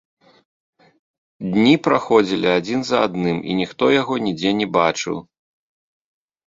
Дні праходзілі адзін за адным, і ніхто яго нідзе не бачыў.